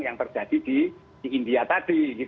yang terjadi di india tadi